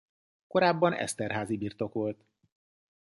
Korábban Esterházy-birtok volt.